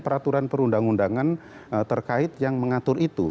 peraturan perundang undangan terkait yang mengatur itu